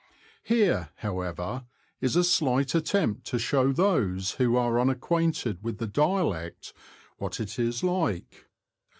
Here, however, is a slight attempt to show those who are unacquainted with the dialect what it is like.